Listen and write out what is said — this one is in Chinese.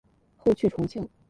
后去重庆。